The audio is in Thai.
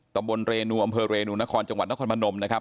บนเรนูอำเภอเรนูนครจังหวัดนครพนมนะครับ